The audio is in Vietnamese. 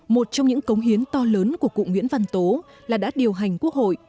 một trong những cống hiến to lớn của cụ nguyễn văn tố là đã điều hành quốc hội